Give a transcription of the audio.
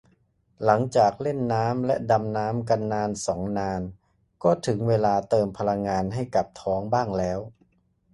หลังจากเล่นน้ำและดำน้ำกันนานสองนาน ก็ถึงเวลาเติมพลังงานให้กับท้องบ้างแล้ว